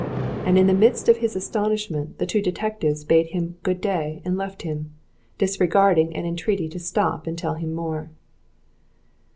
And in the midst of his astonishment the two detectives bade him good day and left him, disregarding an entreaty to stop and tell him more.